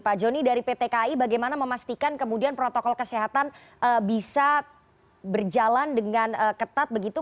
pak joni dari pt kai bagaimana memastikan kemudian protokol kesehatan bisa berjalan dengan ketat begitu